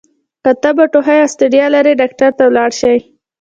که تبه، ټوخۍ او ستړیا لرئ ډاکټر ته لاړ شئ!